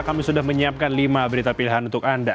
kami sudah menyiapkan lima berita pilihan untuk anda